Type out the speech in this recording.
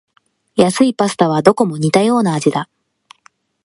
安いパスタはどこも似たような味だ